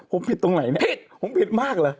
ผมผิดตรงไหนเนี่ยผิดผมผิดมากเหรอ